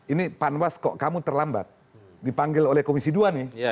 ini panwas kok kamu terlambat dipanggil oleh komisi dua nih